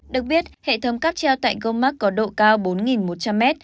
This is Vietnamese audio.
được biết hệ thống cắp treo tại comark có độ cao bốn một trăm linh m